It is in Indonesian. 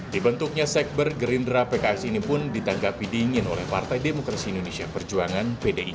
dibentuknya sekber gerindra pks ini pun ditanggapi dingin oleh partai demokrasi indonesia perjuangan pdip